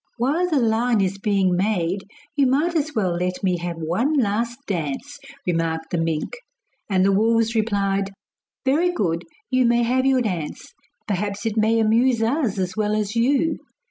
'While the line is being made you might as well let me have one last dance,' remarked the mink. And the wolves replied: 'Very good, you may have your dance; perhaps it may amuse us as well as you.